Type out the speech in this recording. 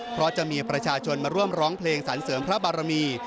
เพราะจะมีประชาชนมาร่วมร้องเพลงสรรเสริมพระบารมี